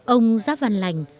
ông giáp văn lành